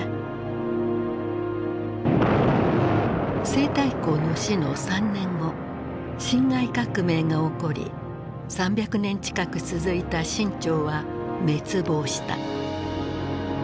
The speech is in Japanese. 西太后の死の３年後辛亥革命が起こり３００年近く続いた清朝は滅亡した。